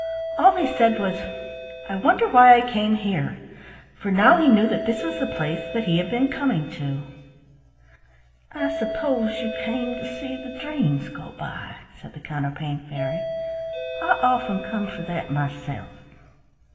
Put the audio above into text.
All he said was, "I wonder why I came here?" for now he knew that this was the place that he had been coming to. "I suppose you came to see the dreams go by," said the Counterpane Fairy. "I often come for that myself."